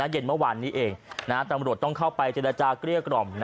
เย็นเมื่อวานนี้เองตำรวจต้องเข้าไปเจรจาเกลี้ยกล่อม